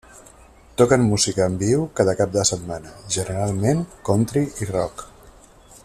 Toquen música en viu cada cap de setmana, generalment country i rock.